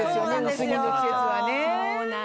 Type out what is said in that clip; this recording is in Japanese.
薄着の季節はね。